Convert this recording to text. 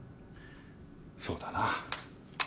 そうだな。